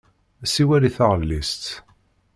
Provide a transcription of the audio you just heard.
Siwel i taɣellist!